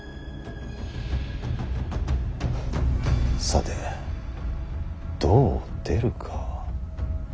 さてどう出るか。